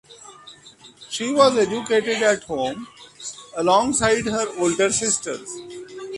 She was educated at home alongside her older sisters.